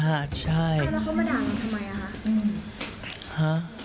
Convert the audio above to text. แล้วเขามาด่าเราทำไม